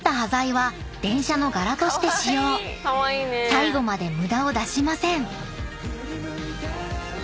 ［最後まで無駄を出しません］